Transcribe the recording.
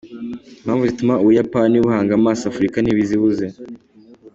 Impamvu zituma Ubuyapani buhanga amaso Afurika ntizibuze!.